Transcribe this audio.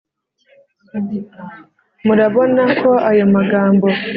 murabona ko ayo magambo,